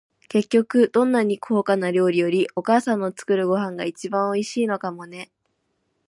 結局、どんなに高価な料理より、お母さんの作るご飯が一番おいしいのかもね。